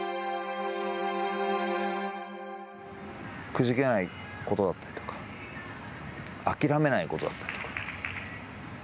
くじけないことだったりとか諦めないことだったりとか。